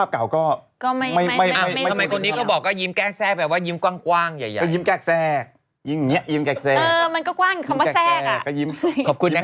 ขอบคุณนะคะที่ชมเราทั้งสองคนตอนนี้หน้าระวายเดียวกันแล้ว